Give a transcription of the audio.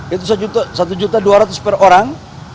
itu satu dua ratus per orang